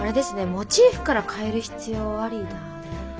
モチーフから変える必要ありだな。